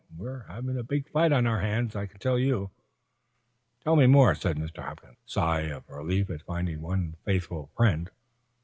We're having a big fight on our hands, I can tell you." "Tell me more," said Mr. Hopkins, taking a chair with a sigh of relief at finding one faithful friend.